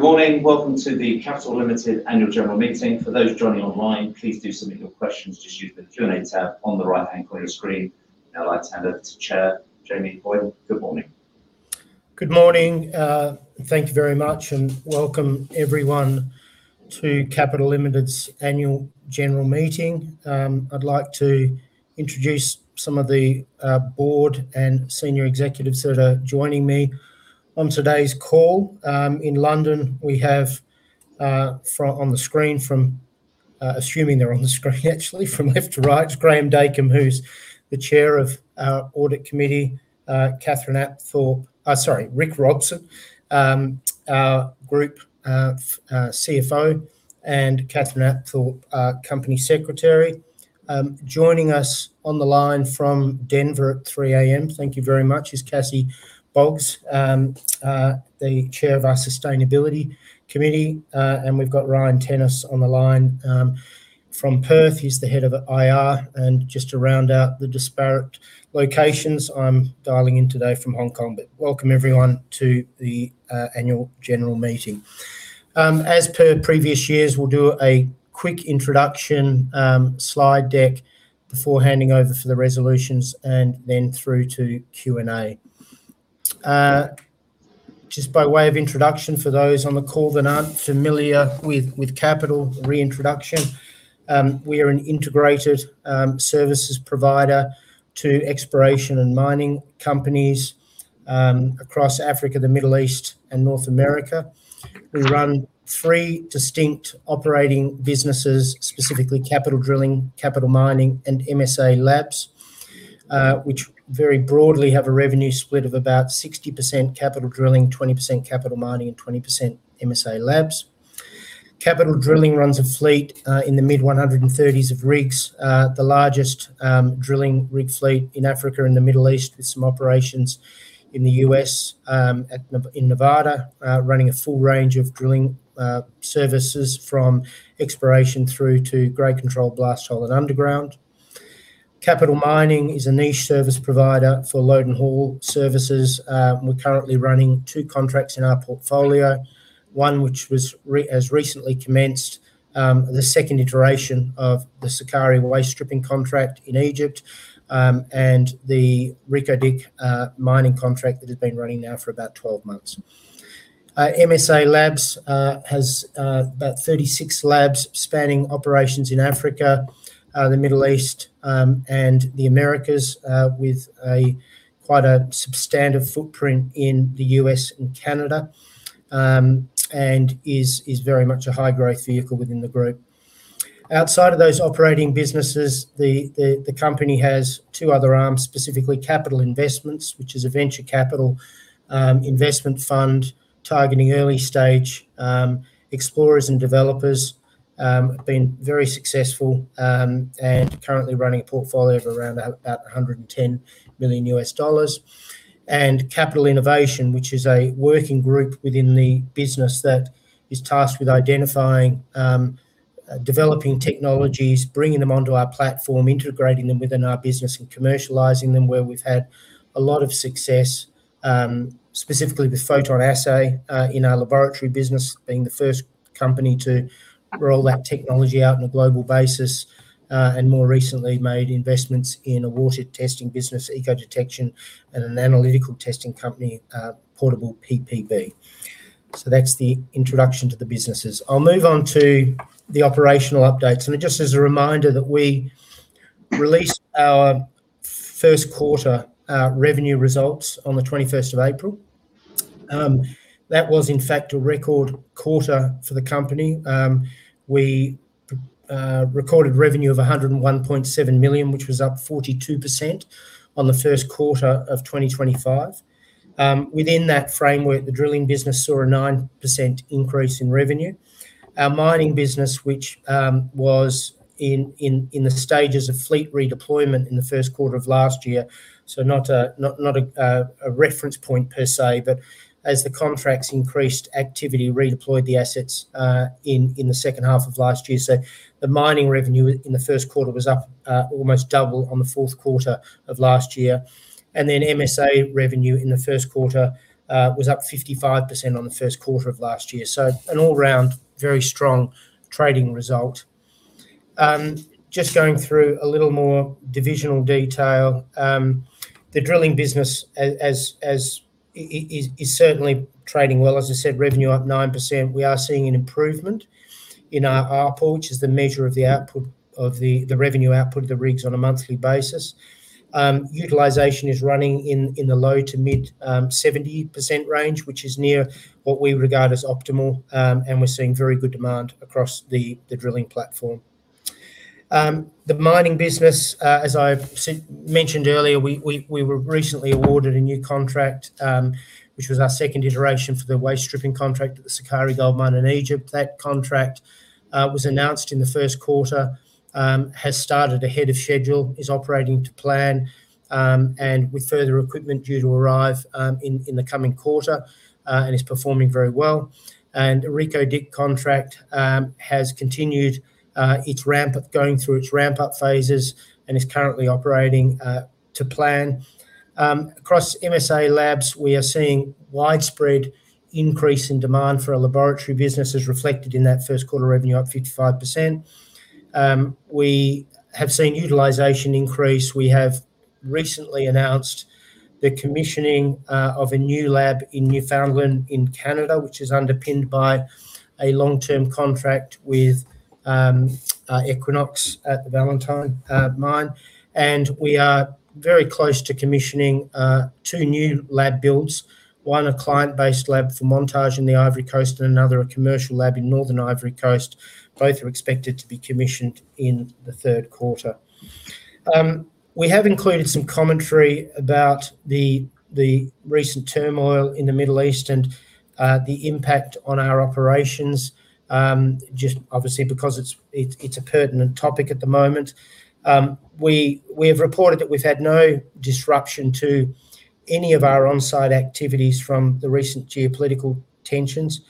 Good morning. Welcome to the Capital Limited Annual General Meeting. For those joining online, please do submit your questions just using the Q&A tab on the right-hand corner of your screen. I'd like to hand over to Chair Jamie Boyton. Good morning. Good morning. Thank you very much, and welcome everyone to Capital Limited's Annual General Meeting. I'd like to introduce some of the board and Senior Executives that are joining me on today's call. In London, we have on the screen, assuming they're on the screen, actually, from left to right, Graeme Dacomb, who's the Chair of our Audit Committee, Catherine Apthorpe, sorry, Rick Robson, our Group CFO, and Catherine Apthorpe, Company Secretary. Joining us on the line from Denver at 3:00 A.M., thank you very much, is Cassie Boggs, the Chair of our Sustainability Committee. We've got Ryan Tennis on the line from Perth, he's the Head of IR. Just to round out the disparate locations, I'm dialing in today from Hong Kong, but welcome everyone to the Annual General Meeting. As per previous years, we'll do a quick introduction slide deck before handing over for the resolutions and then through to Q&A. Just by way of introduction, for those on the call that aren't familiar with Capital, reintroduction: we are an integrated services provider to exploration and mining companies across Africa, the Middle East, and North America. We run three distinct operating businesses, specifically Capital Drilling, Capital Mining, and MSALABS, which very broadly have a revenue split of about 60% Capital Drilling, 20% Capital Mining, and 20% MSALABS. Capital Drilling runs a fleet in the mid-130s of rigs, the largest drilling rig fleet in Africa and the Middle East, with some operations in the U.S. in Nevada, running a full range of drilling services from exploration through to grade control, blast hole, and underground. Capital Mining is a niche service provider for load and haul services. We're currently running two contracts in our portfolio: one which has recently commenced, the second iteration of the Sukari waste stripping contract in Egypt, and the Reko Diq mining contract that has been running now for about 12 months. MSALABS has about 36 labs spanning operations in Africa, the Middle East, and the Americas, with quite a substantive footprint in the U.S. and Canada, and is very much a high-growth vehicle within the group. Outside of those operating businesses, the company has two other arms, specifically Capital Investments, which is a venture capital investment fund targeting early-stage explorers and developers, been very successful, and currently running a portfolio of around about $110 million. Capital Innovation, which is a working group within the business that is tasked with identifying, developing technologies, bringing them onto our platform, integrating them within our business, and commercialising them, where we've had a lot of success, specifically with PhotonAssay in our laboratory business, being the 1st company to roll that technology out on a global basis, and more recently made investments in a water testing business, Eco Detection, and an analytical testing company, Portable PPB. That's the introduction to the businesses. I'll move on to the operational updates. Just as a reminder that we released our 1st quarter revenue results on the 21st of April, that was, in fact, a record quarter for the company. We recorded revenue of $101.7 million, which was up 42% on the 1st quarter of 2025. Within that framework, the drilling business saw a 9% increase in revenue. Our mining business, which was in the stages of fleet redeployment in the first quarter of last year, so not a reference point per se, but as the contracts increased, activity redeployed the assets in the second half of last year. The mining revenue in the first quarter was up almost double on the fourth quarter of last year, and then MSA revenue in the first quarter was up 55% on the first quarter of last year. An all-round very strong trading result. Just going through a little more divisional detail: the drilling business is certainly trading well. As I said, revenue up 9%. We are seeing an improvement in our RPO, which is the measure of the revenue output of the rigs on a monthly basis. Utilization is running in the low to mid-70% range, which is near what we regard as optimal. We're seeing very good demand across the drilling platform. The mining business, as I mentioned earlier, we were recently awarded a new contract, which was our second iteration for the waste stripping contract at the Sukari Gold Mine in Egypt. That contract was announced in the first quarter, has started ahead of schedule, is operating to plan, and with further equipment due to arrive in the coming quarter, and is performing very well. The Reko Diq contract has continued going through its ramp-up phases and is currently operating to plan. Across MSALABS, we are seeing widespread increase in demand for a laboratory business, as reflected in that first quarter revenue up 55%. We have seen utilization increase. We have recently announced the commissioning of a new lab in Newfoundland in Canada, which is underpinned by a long-term contract with Equinox at the Valentine Mine. We are very close to commissioning two new lab builds: one a client-based lab for Montage in the Ivory Coast and another a commercial lab in northern Ivory Coast. Both are expected to be commissioned in the third quarter. We have included some commentary about the recent turmoil in the Middle East and the impact on our operations, just obviously because it's a pertinent topic at the moment. We have reported that we've had no disruption to any of our on-site activities from the recent geopolitical tensions.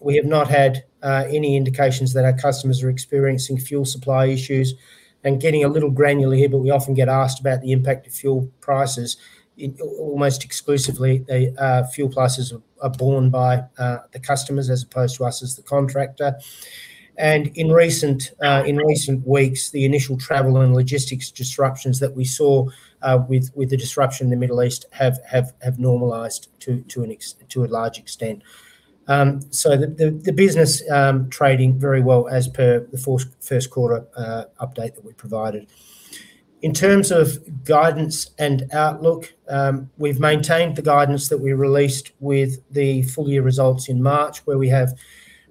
We have not had any indications that our customers are experiencing fuel supply issues. Getting a little granular here, but we often get asked about the impact of fuel prices. Almost exclusively, fuel prices are borne by the customers as opposed to us as the contractor. In recent weeks, the initial travel and logistics disruptions that we saw with the disruption in the Middle East have normalized to a large extent. The business is trading very well, as per the first quarter update that we provided. In terms of guidance and outlook, we've maintained the guidance that we released with the full-year results in March, where we have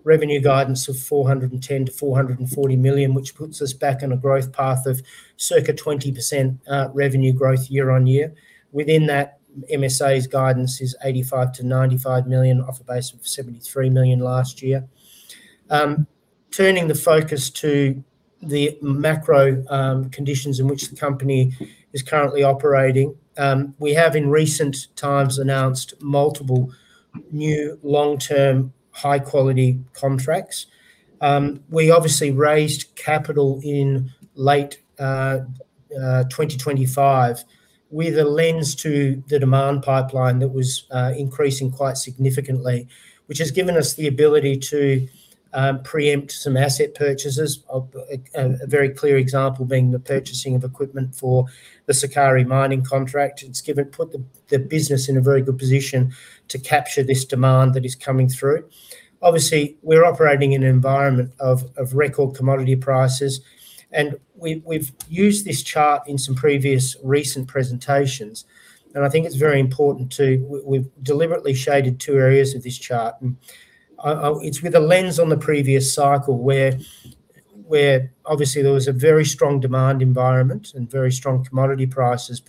revenue guidance of $410 million-$440 million, which puts us back on a growth path of circa 20% revenue growth year-on-year. Within that, MSALABS' guidance is $85 million-$95 million off a base of $73 million last year. Turning the focus to the macro conditions in which the company is currently operating, we have in recent times announced multiple new long-term high-quality contracts. We obviously raised capital in late 2025 with a lens to the demand pipeline that was increasing quite significantly, which has given us the ability to preempt some asset purchases, a very clear example being the purchasing of equipment for the Sukari mining contract. It's put the business in a very good position to capture this demand that is coming through. Obviously, we're operating in an environment of record commodity prices. We've used this chart in some previous recent presentations. I think it's very important too. We've deliberately shaded two areas of this chart. It's with a lens on the previous cycle where obviously there was a very strong demand environment and very strong commodity prices.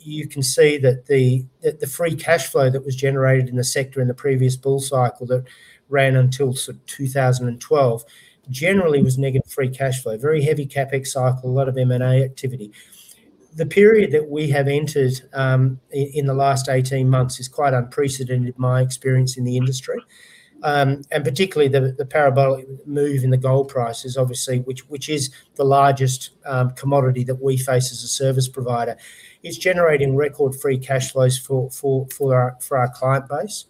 You can see that the free cash flow that was generated in the sector in the previous bull cycle that ran until sort of 2012 generally was negative free cash flow, very heavy CapEx cycle, a lot of M&A activity. The period that we have entered in the last 18 months is quite unprecedented, in my experience, in the industry. Particularly the parabolic move in the gold prices, obviously, which is the largest commodity that we face as a service provider, is generating record free cash flows for our client base.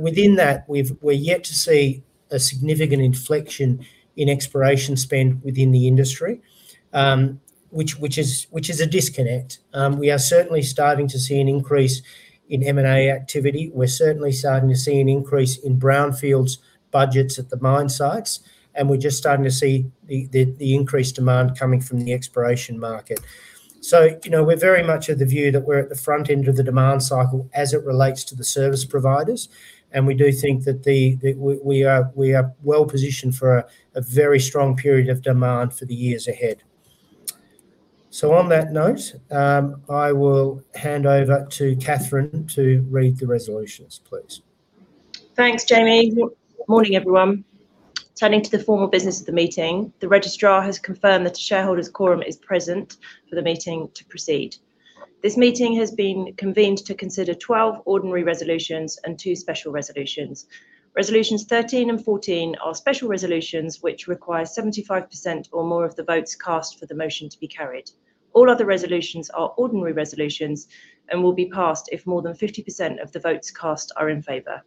Within that, we're yet to see a significant inflection in exploration spend within the industry, which is a disconnect. We are certainly starting to see an increase in M&A activity. We're certainly starting to see an increase in brownfields budgets at the mine sites, and we're just starting to see the increased demand coming from the exploration market. We're very much of the view that we're at the front end of the demand cycle as it relates to the service providers, and we do think that we are well-positioned for a very strong period of demand for the years ahead. On that note, I will hand over to Catherine Apthorpe to read the resolutions, please. Thanks, Jamie. Good morning, everyone. Turning to the formal business of the meeting, the registrar has confirmed that a shareholders' quorum is present for the meeting to proceed. This meeting has been convened to consider 12 ordinary resolutions and two special resolutions. Resolutions 13 and 14 are special resolutions which require 75% or more of the votes cast for the motion to be carried. All other resolutions are ordinary resolutions and will be passed if more than 50% of the votes cast are in favor.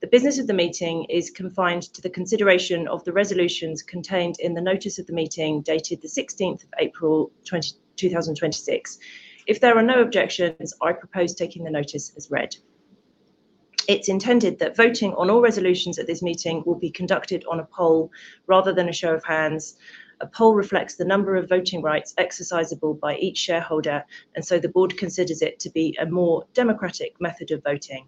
The business of the meeting is confined to the consideration of the resolutions contained in the notice of the meeting dated the 16th of April, 2026. If there are no objections, I propose taking the notice as read. It's intended that voting on all resolutions at this meeting will be conducted on a poll rather than a show of hands. A poll reflects the number of voting rights exercisable by each shareholder, and so the board considers it to be a more democratic method of voting.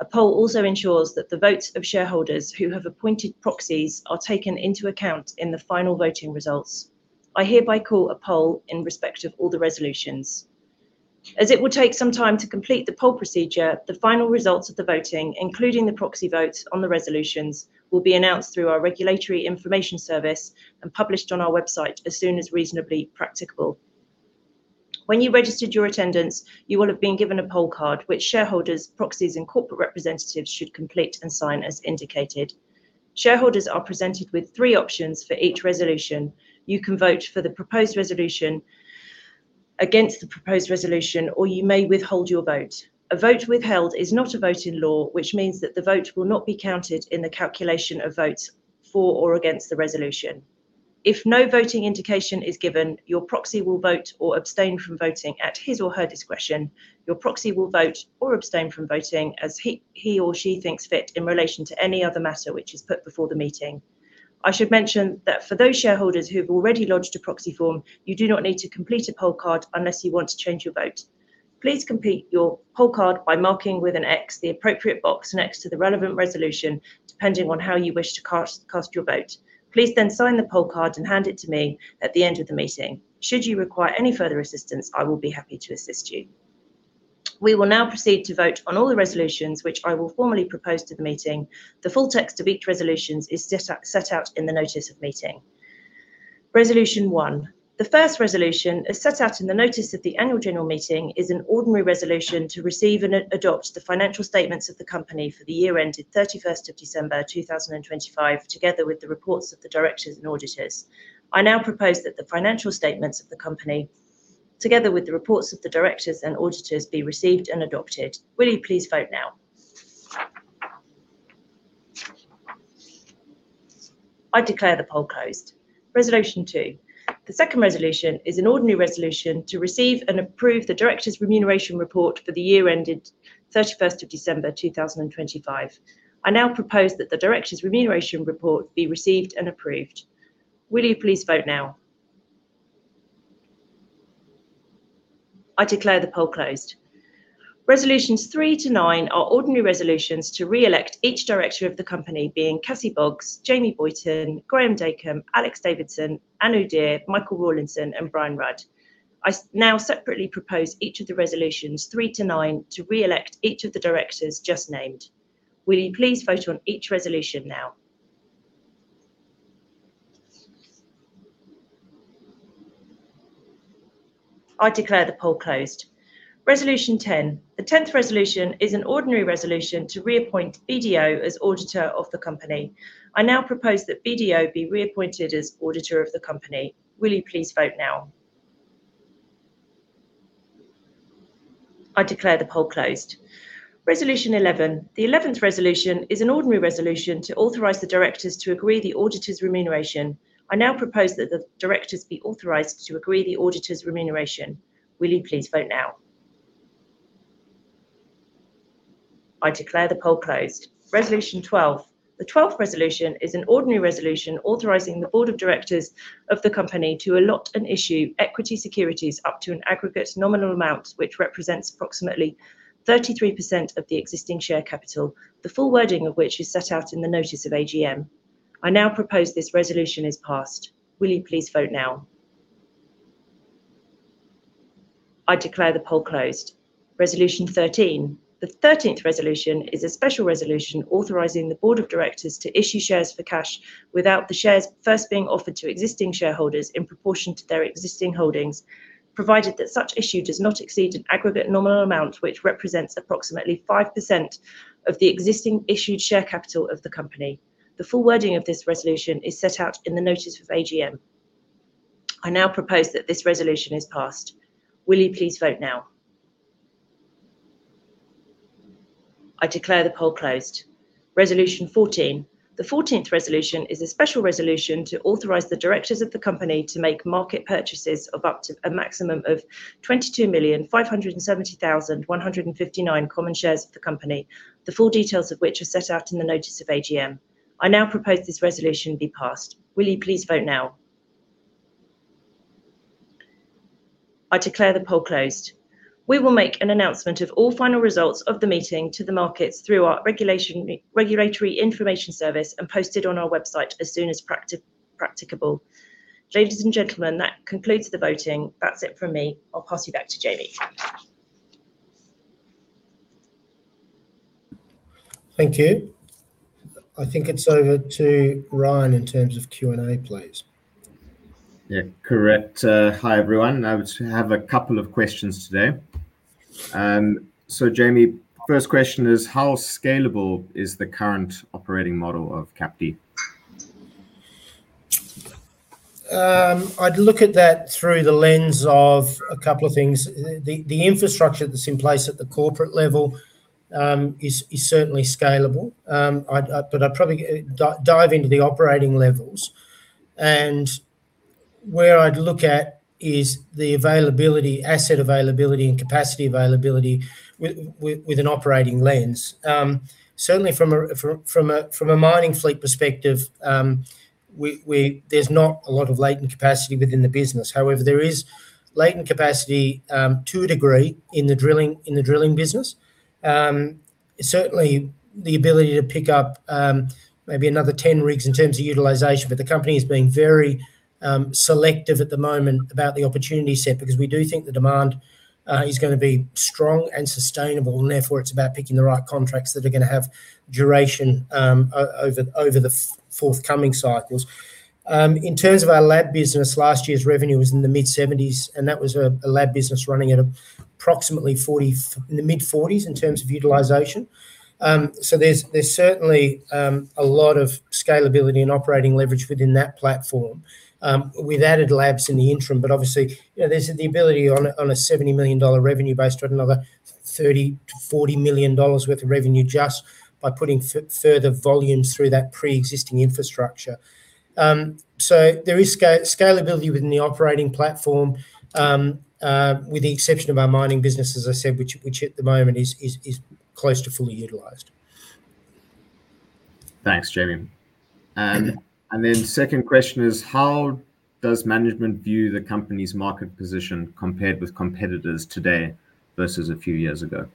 A poll also ensures that the votes of shareholders who have appointed proxies are taken into account in the final voting results. I hereby call a poll in respect of all the resolutions. As it will take some time to complete the poll procedure, the final results of the voting, including the proxy votes on the resolutions, will be announced through our regulatory information service and published on our website as soon as reasonably practicable. When you registered your attendance, you will have been given a poll card, which shareholders, proxies, and corporate representatives should complete and sign as indicated. Shareholders are presented with three options for each resolution. You can vote for the proposed resolution against the proposed resolution, or you may withhold your vote. A vote withheld is not a vote in law, which means that the vote will not be counted in the calculation of votes for or against the resolution. If no voting indication is given, your proxy will vote or abstain from voting at his or her discretion. Your proxy will vote or abstain from voting as he or she thinks fit in relation to any other matter which is put before the meeting. I should mention that for those shareholders who have already lodged a proxy form, you do not need to complete a poll card unless you want to change your vote. Please complete your poll card by marking with an X the appropriate box next to the relevant resolution, depending on how you wish to cast your vote. Please sign the poll card and hand it to me at the end of the meeting. Should you require any further assistance, I will be happy to assist you. We will now proceed to vote on all the resolutions which I will formally propose to the meeting. The full text of each resolution is set out in the notice of meeting. Resolution 1: The first resolution, as set out in the notice of the annual general meeting, is an ordinary resolution to receive and adopt the financial statements of the company for the year ended 31st of December, 2025, together with the reports of the directors and auditors. I now propose that the financial statements of the company, together with the reports of the directors and auditors, be received and adopted. Will you please vote now? I declare the poll closed. Resolution 2: The second resolution is an ordinary resolution to receive and approve the directors' remuneration report for the year ended 31st of December, 2025. I now propose that the directors' remuneration report be received and approved. Will you please vote now? I declare the poll closed. Resolutions 3-9 are ordinary resolutions to re-elect each director of the company, being Cassie Boggs, Jamie Boyton, Graeme Dacomb, Alexander Davidson, Anu Dhir, Michael Rawlinson, and Brian Rudd. I now separately propose each of the Resolutions 3-9 to re-elect each of the directors just named. Will you please vote on each resolution now? I declare the poll closed. Resolution 10: The tenth resolution is an ordinary resolution to re-appoint BDO as auditor of the company. I now propose that BDO be re-appointed as auditor of the company. Will you please vote now? I declare the poll closed. Resolution 11: The 11th resolution is an ordinary resolution to authorise the directors to agree to the auditor's remuneration. I now propose that the directors be authorised to agree to the auditor's remuneration. Will you please vote now? I declare the poll closed. Resolution 12: The 12th resolution is an ordinary resolution authorising the board of directors of the company to allot and issue equity securities up to an aggregate nominal amount which represents approximately 33% of the existing share capital, the full wording of which is set out in the notice of AGM. I now propose this resolution is passed. Will you please vote now? I declare the poll closed. Resolution 13: The thirteenth resolution is a special resolution authorizing the board of directors to issue shares for cash without the shares first being offered to existing shareholders in proportion to their existing holdings, provided that such issue does not exceed an aggregate nominal amount which represents approximately 5% of the existing issued share capital of the company. The full wording of this resolution is set out in the notice of AGM. I now propose that this resolution is passed. Will you please vote now? I declare the poll closed. Resolution 14: The fourteenth resolution is a special resolution to authorize the directors of the company to make market purchases of up to a maximum of 22,570,159 common shares of the company, the full details of which are set out in the notice of AGM. I now propose this resolution be passed. Will you please vote now? I declare the poll closed. We will make an announcement of all final results of the meeting to the markets through our regulatory information service and post it on our website as soon as practicable. Ladies and gentlemen, that concludes the voting. That's it from me. I'll pass you back to Jamie. Thank you. I think it's over to Ryan in terms of Q&A, please. Yeah, correct. Hi, everyone. I would have a couple of questions today. Jamie, first question is, how scalable is the current operating model of CAPD? I'd look at that through the lens of a couple of things. The infrastructure that's in place at the corporate level is certainly scalable, but I'd probably dive into the operating levels. Where I'd look at is the asset availability and capacity availability with an operating lens. Certainly, from a mining fleet perspective, there's not a lot of latent capacity within the business. However, there is latent capacity to a degree in the drilling business. Certainly, the ability to pick up maybe another 10 rigs in terms of utilization, but the Company is being very selective at the moment about the opportunity set because we do think the demand is going to be strong and sustainable, and therefore it's about picking the right contracts that are going to have duration over the forthcoming cycles. In terms of our lab business, last year's revenue was in the mid-70s, and that was a lab business running at approximately in the mid-40s in terms of utilization. There's certainly a lot of scalability and operating leverage within that platform with added labs in the interim, but obviously there's the ability on a $70 million revenue base to add another $30 million-$40 million worth of revenue just by putting further volumes through that pre-existing infrastructure. There is scalability within the operating platform, with the exception of our mining business, as I said, which at the moment is close to fully utilized. Thanks, Jamie. Second question is, how does management view the company's market position compared with competitors today versus a few years ago?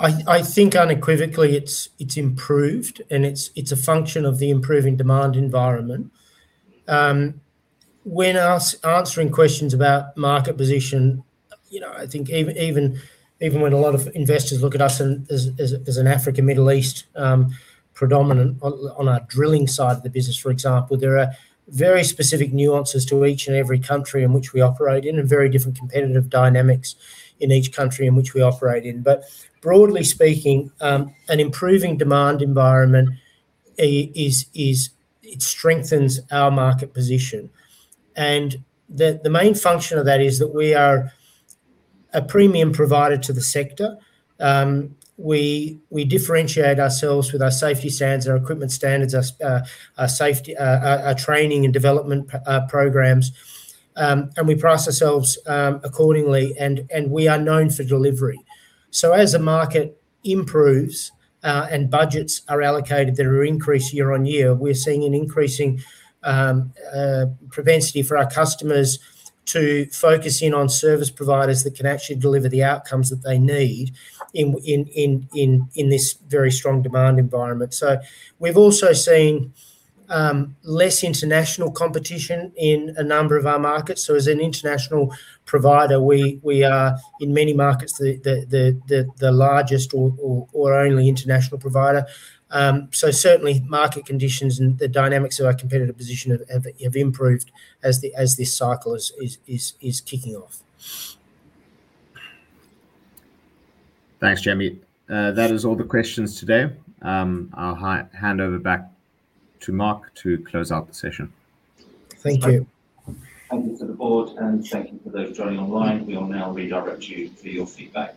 I think unequivocally it's improved, and it's a function of the improving demand environment. When answering questions about market position, I think even when a lot of investors look at us as an Africa/Middle East predominant on our drilling side of the business, for example, there are very specific nuances to each and every country in which we operate in and very different competitive dynamics in each country in which we operate in. Broadly speaking, an improving demand environment, it strengthens our market position. The main function of that is that we are a premium provider to the sector. We differentiate ourselves with our safety standards, our equipment standards, our training and development programs, and we price ourselves accordingly, and we are known for delivery. As a market improves and budgets are allocated that are increased year-on-year, we're seeing an increasing propensity for our customers to focus in on service providers that can actually deliver the outcomes that they need in this very strong demand environment. We've also seen less international competition in a number of our markets. As an international provider, we are in many markets the largest or only international provider. Certainly, market conditions and the dynamics of our competitive position have improved as this cycle is kicking off. Thanks, Jamie. That is all the questions today. I'll hand over back to Mark to close out the session. Thank you. Thank you to the board, and thank you for those joining online. We will now redirect you for your feedback.